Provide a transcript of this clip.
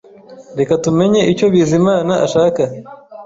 Reka tumenye icyo Bizimana ashaka.